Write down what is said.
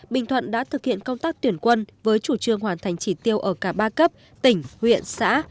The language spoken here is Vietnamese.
bình thuận đã thực hiện công tác tuyển quân với chủ trương hoàn thành chỉ tiêu ở cả ba cấp tỉnh huyện xã